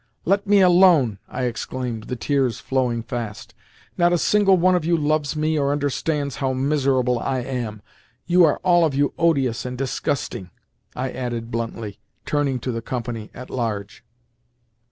"Let me alone!" I exclaimed, the tears flowing fast. "Not a single one of you loves me or understands how miserable I am! You are all of you odious and disgusting!" I added bluntly, turning to the company at large.